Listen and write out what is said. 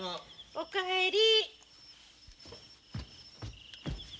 おかえり。